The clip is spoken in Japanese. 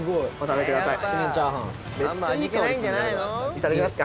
いただきますか。